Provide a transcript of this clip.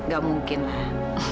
gak mungkin lah